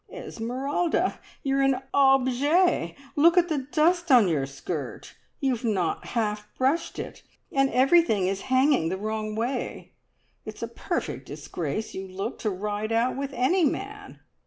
"Esmeralda, you're an Object! Look at the dust on your skirt. You've not half brushed it, and everything is hanging the wrong way. It's a perfect disgrace you look, to ride out with any man!"